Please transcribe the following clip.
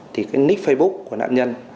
thì cái nick facebook của nạn nhân